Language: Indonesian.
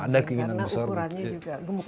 karena ukurannya juga gemuk